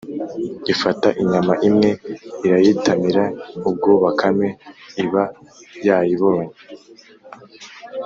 ifata inyama imwe irayitamira, ubwo bakame iba yayibonye,